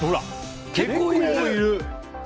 結構いる！